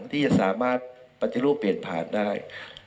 ที่จะสามารถปฏิรูปเปลี่ยนผ่านได้